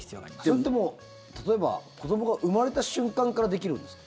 それって、例えば子どもが生まれた瞬間からできるんですか？